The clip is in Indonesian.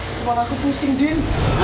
rumah aku pusing din